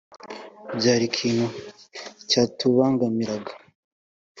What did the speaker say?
Byari ikintu cyatubangamiraga